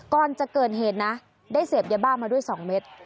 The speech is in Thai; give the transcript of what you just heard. ก่อนจะเกิดเหตุนะได้เสพยาบ้ามาด้วย๒เม็ด